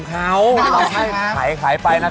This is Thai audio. จะเป็นฝ่ายชนะรับไปเลย๒หัวใจ